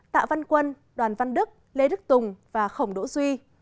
tạ văn quân đoàn văn đức lê đức tùng và khổng đỗ duy